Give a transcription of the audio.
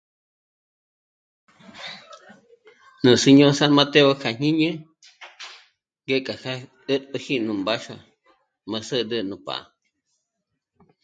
Nú síño San Mateo kja jñíni ngékja já'a ä̀t'äji nú mbáxua m'á s'ärä nú pá'a